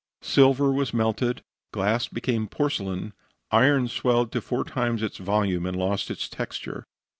Silver was melted, glass became porcelain, iron swelled to four times its volume and lost its texture.